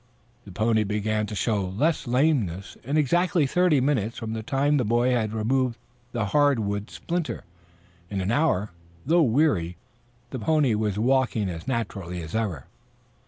The pony began to show less lameness in exactly thirty minutes from the time the boy had removed the hardwood splinter. In an hour, though weary, the pony was walking as naturally as ever.